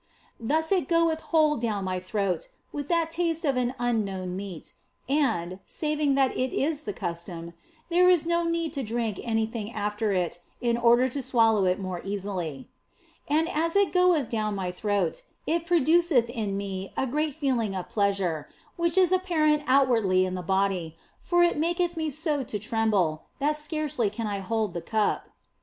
Thus it goeth whole down my throat, with that taste of an unknown meat, and saving that it is the custom there is no need to drink anything after it in order to swallow it more easily. And as it goeth down my throat it produceth in me a great feeling of pleasure, which is apparent outwardly in the body, for it maketh me so to tremble that scarcely can I hold the cup.